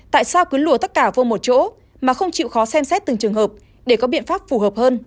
tại sao cứ lùa tất cả vô một chỗ mà không chịu khó xem xét từng trường hợp để có biện pháp phù hợp hơn